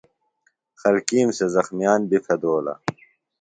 خلکِیم سےۡ زخمِیان بیۡ پھیدولہ